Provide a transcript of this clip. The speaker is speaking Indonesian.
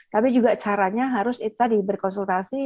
tapi juga caranya harus itu tadi berkonsultasi